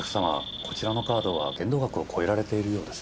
こちらのカードは限度額を超えられているようですが。